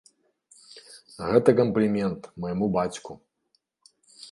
Гэта камплімент майму бацьку!